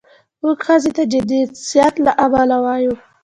موږ ښځې ته د جنسیت له امله ووایو.